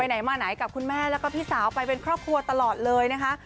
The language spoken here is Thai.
ไหนมาไหนกับคุณแม่แล้วก็พี่สาวไปเป็นครอบครัวตลอดเลยนะคะ